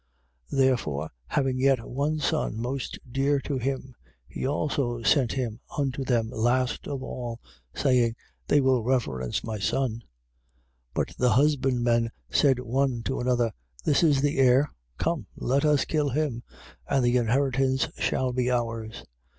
Therefore, having yet one son, most dear to him, he also sent him unto them last of all, saying: They will reverence my son. 12:7. But the husbandmen said one to another: This is the heir. Come let us kill him and the inheritance shall be ours. 12:8.